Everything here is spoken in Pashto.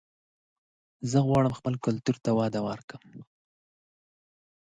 زه غواړم خپل کلتور ته وده ورکړم